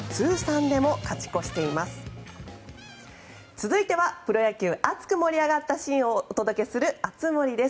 続いてはプロ野球熱く盛り上がったシーンをお届けする熱盛です。